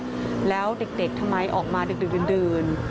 ครูบอกนั่นแหละแล้วเด็กทำไมออกมาดื่นดื่น